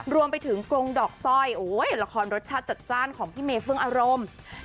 รวมไปถึงกรงดอกสร้อยละครรสชาติจัดจ้านของพี่เมย์เฟื่องอารมณ์